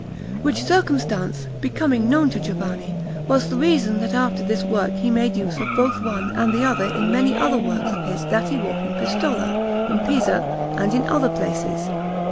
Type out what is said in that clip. Which circumstance, becoming known to Giovanni, was the reason that after this work he made use of both one and the other in many other works of his that he wrought in Pistola, in Pisa, and in other places.